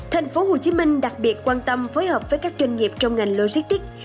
thành phố hồ chí minh đặc biệt quan tâm phối hợp với các doanh nghiệp trong ngành logistics